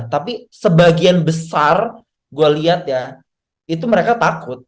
tapi sebagian besar gue lihat ya itu mereka takut